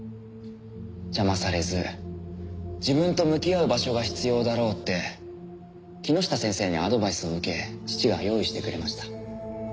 邪魔されず自分と向き合う場所が必要だろうって木下先生にアドバイスを受け父が用意してくれました。